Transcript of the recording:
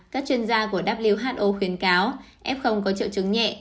các chuyên gia của who khuyến cáo f có triệu chứng nhẹ